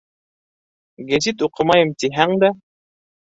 Гәзит уҡымайым тиһәң дә...